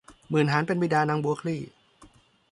หมื่นหาญเป็นบิดานางบัวคลี่